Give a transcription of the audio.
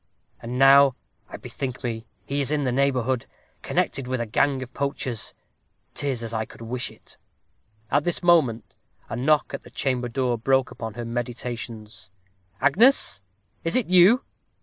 And now, I bethink me, he is in the neighborhood, connected with a gang of poachers 'tis as I could wish it." At this moment a knock at the chamber door broke upon her meditations. "Agnes, is it you?"